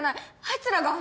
あいつらが。